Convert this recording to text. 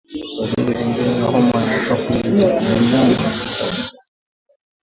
Dalili nyingine ya homa ya mapafu ni mnyama hutafuta kivuli